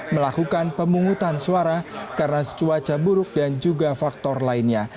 melakukan pemungutan suara karena cuaca buruk dan juga faktor lainnya